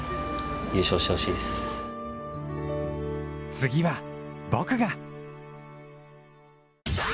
次は、僕が！